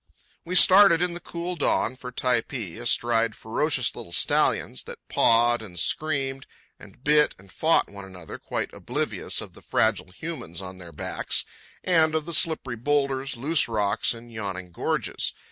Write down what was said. We started in the cool dawn for Typee, astride ferocious little stallions that pawed and screamed and bit and fought one another quite oblivious of the fragile humans on their backs and of the slippery boulders, loose rocks, and yawning gorges.